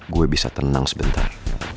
gue bisa tenang sebentar